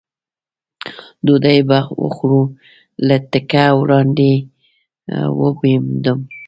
ډوډۍ به وخورو، له تګه وړاندې ومبېدم.